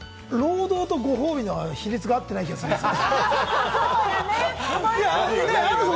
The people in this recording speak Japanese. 労働とご褒美の比率が合っていない気がするんだけれども。